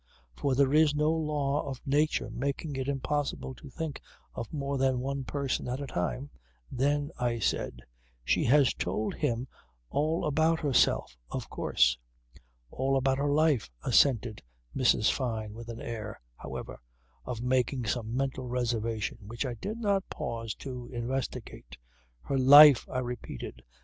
For there is no law of nature making it impossible to think of more than one person at a time. Then I said: "She has told him all about herself of course." "All about her life," assented Mrs. Fyne with an air, however, of making some mental reservation which I did not pause to investigate. "Her life!" I repeated.